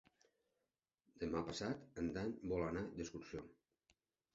Demà passat en Dan vol anar d'excursió.